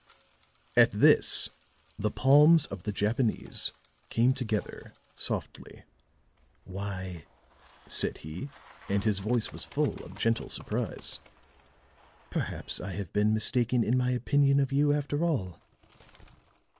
At this the palms of the Japanese came together softly. "Why," said he, and his voice was full of gentle surprise, "perhaps I have been mistaken in my opinion of you, after all."